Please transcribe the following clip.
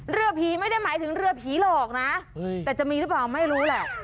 เรือผีไม่ได้หมายถึงเรือผีหลอกนะแต่จะมีหรือเปล่าไม่รู้แหละ